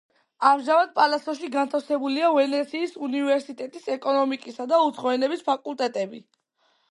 ამჟამად პალაცოში განთავსებულია ვენეციის უნივერსიტეტის ეკონომიკისა და უცხო ენების ფაკულტეტები.